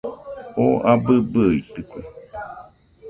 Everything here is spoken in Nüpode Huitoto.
Oo abɨ bɨitɨkue